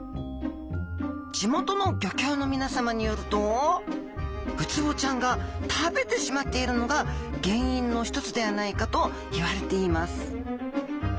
地元の漁協の皆さまによるとウツボちゃんが食べてしまっているのが原因の一つではないかといわれています。